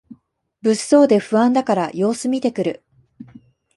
物騒で不安だから様子みてくる